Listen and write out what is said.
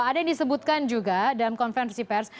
ada yang disebutkan juga dalam konferensi pers